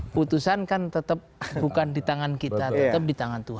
putusan kan tetap bukan di tangan kita tetap di tangan tuhan